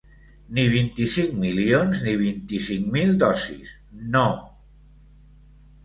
Ni vint-i-cinc milions ni vint-i-cinc mil dosis, no.